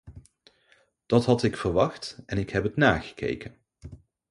Dat had ik verwacht, en ik heb het nagekeken.